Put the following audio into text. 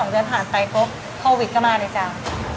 เดือนผ่านไปก็โควิดก็มาเลยจ้า